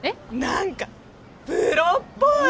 何かプロっぽい